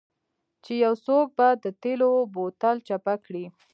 چې یو څوک به د تیلو بوتل چپه کړي